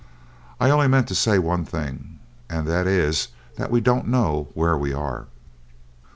I only meant to say one thing, and that is that we don't know where we are."